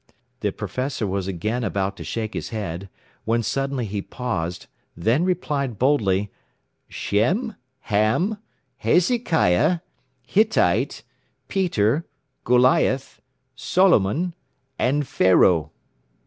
The professor was again about to shake his head, when suddenly he paused, then replied boldly, "Shem, Ham, Hezekiah, Hittite, Peter, Goliath, Solomon and Pharaoh."